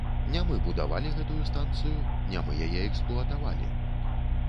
Не мы будавалі гэтую станцыю, не мы яе эксплуатавалі.